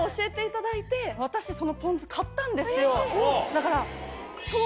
だから。